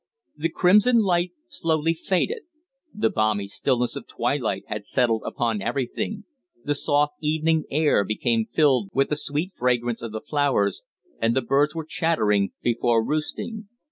The crimson light slowly faded. The balmy stillness of twilight had settled upon everything, the soft evening air became filled with the sweet fragrance of the flowers, and the birds were chattering before roosting.